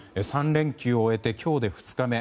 ３連休を終えて今日で２日目。